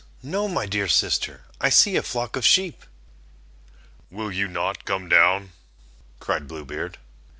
no, my dear sister, I see a flock of sheep." "Will you not come down?" cried Blue Beard.